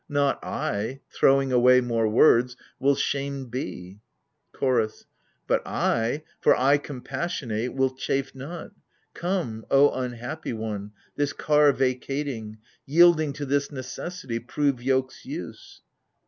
Not I — throwing away more words — will shamed be ! CHORDS. But I, — for I compassionate, — ^will chafe not. Come, O unhappy one, this car vacating, Yielding to this necessity, prove yoke's use